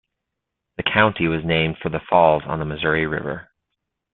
The county was named for the falls on the Missouri River.